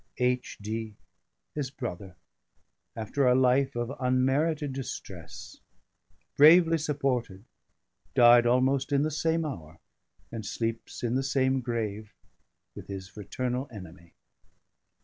______ H. D. HIS BROTHER, AFTER A LIFE OF UNMERITED DISTRESS, BRAVELY SUPPORTED, DIED ALMOST IN THE SAME HOUR, AND SLEEPS IN THE SAME GRAVE WITH HIS FRATERNAL ENEMY.